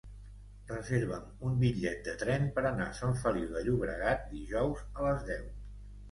Reserva'm un bitllet de tren per anar a Sant Feliu de Llobregat dijous a les deu.